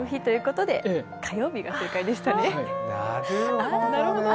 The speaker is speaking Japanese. なるほどね。